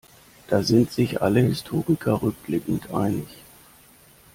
Da sind sich alle Historiker rückblickend einig.